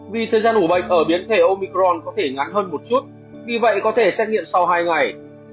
vì thời gian ủ bệnh ở biến thể omicron có thể ngắn hơn một chút vì vậy có thể xét nghiệm sau hai ngày